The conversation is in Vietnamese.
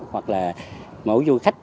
hoặc là mẫu du khách